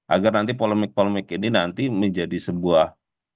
agar nanti polemik polemik ini nanti menjadi sebuah